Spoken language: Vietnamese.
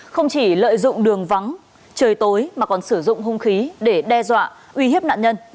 không chỉ lợi dụng đường vắng trời tối mà còn sử dụng hung khí để đe dọa uy hiếp nạn nhân